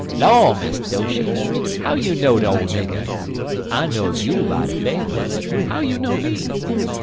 "Law, Miss Doshy! how you know de ole nigger? I know'd you by de faver; but how you know me?"